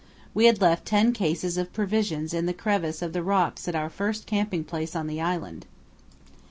We had left ten cases of provisions in the crevice of the rocks at our first camping place on the island.